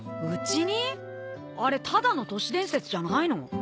あれただの都市伝説じゃないの？